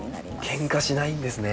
けんかしないんですね。